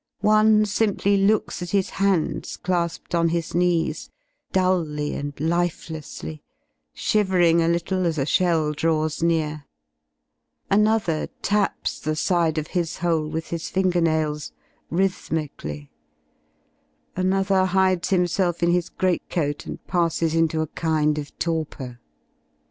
One simply looks at his jl^ ^ hands clasped on his knees, dully and lifelessly, shivering a • a ^ little as a shell draws near; another taps the side of his hole 67 with his finger nails, rhythmically^ another hides himself in his great coat and passes into a kind of torpor.